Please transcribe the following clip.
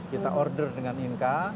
kita order dengan inka